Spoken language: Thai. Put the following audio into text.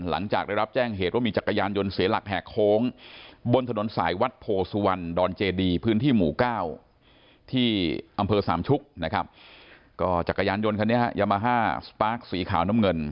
หลังจากได้รับแจ้งเหตุว่ามีจักรยานยนต์เสร็หรักแหกโครง